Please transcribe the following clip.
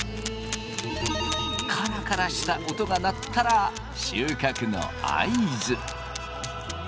カラカラした音が鳴ったら収穫の合図。